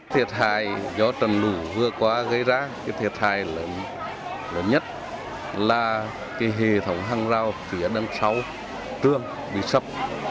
thiệt hại lớn nhất là hệ thống hàng rào phía đằng sau trường bị sập